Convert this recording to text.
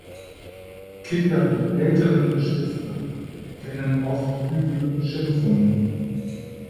Kinder mit älteren Geschwistern kennen oft üble Beschimpfungen.